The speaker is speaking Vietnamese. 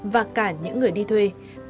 và cả những người đi thuê